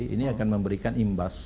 ini akan memberikan imbas